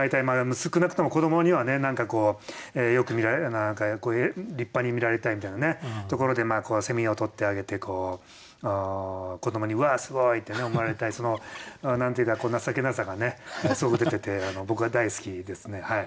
少なくとも子どもにはねよく見られるような立派に見られたいみたいなところでを捕ってあげて子どもにうわあすごい！ってね思われたい何て言うか情けなさがねすごく出てて僕は大好きですね。